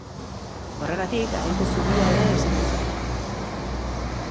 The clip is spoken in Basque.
Horregatik, aginte zubia ere esaten zaio.